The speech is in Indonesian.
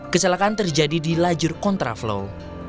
kecelakaan terjadi di lajur kontraflow